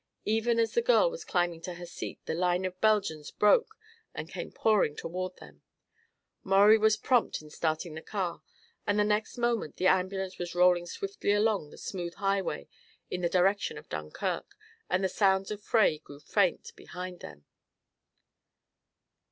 Even as the girl was climbing to her seat the line of Belgians broke and came pouring toward them. Maurie was prompt in starting the car and the next moment the ambulance was rolling swiftly along the smooth highway in the direction of Dunkirk and the sounds of fray grew faint behind them.